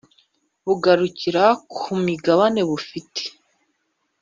bugarukira ku migabanebufite